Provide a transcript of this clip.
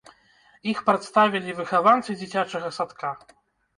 Іх прадставілі выхаванцы дзіцячага садка.